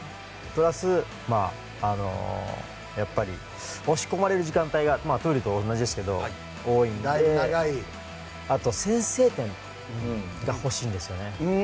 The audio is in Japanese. プラス、押し込まれる時間帯が闘莉王と同じですけど多いので先制点が欲しいんですよね。